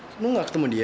kamu gak ketemu dia